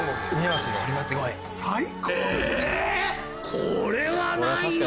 これはないよ